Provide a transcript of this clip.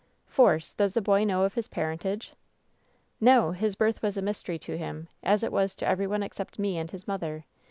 "Force, does the boy know of his parentage?" "No. His birth was a mystery to him, as it was to every one except me and his mother.